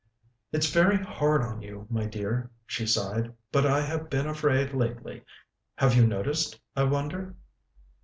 "It's very hard on you, my dear," she sighed. "But I have been afraid lately have you noticed, I wonder?"